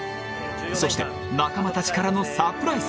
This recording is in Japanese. そして仲間たちからのサプライズ